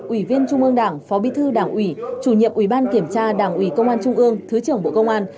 ủy viên trung ương đảng phó bí thư đảng ủy chủ nhiệm ủy ban kiểm tra đảng ủy công an trung ương thứ trưởng bộ công an